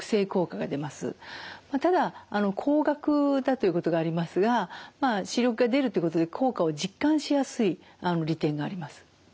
ただ高額だということがありますがまあ視力が出るということで効果を実感しやすい利点があります。